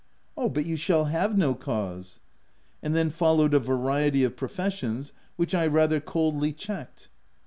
"Oh, but you shall have no cause." And then followed a variety of professions, which I rather coldly checked.